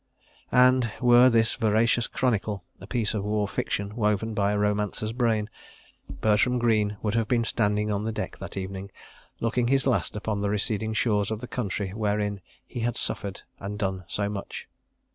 ... And, were this veracious chronicle a piece of war fiction woven by a romancer's brain, Bertram Greene would have been standing on the deck that evening, looking his last upon the receding shores of the country wherein he had suffered and done so much.